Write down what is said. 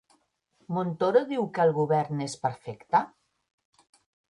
Montoro diu que el govern és perfecte?